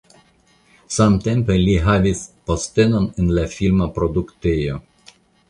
Samtempe li havis postenon en la filma produktejo.